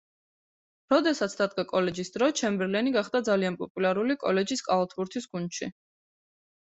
როდესაც დადგა კოლეჯის დრო, ჩემბერლენი გახდა ძალიან პოპულარული კოლეჯის კალათბურთის გუნდში.